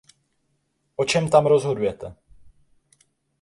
O čem tam rozhodujete?